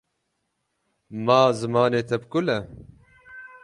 Ma zimanê te bi kul e.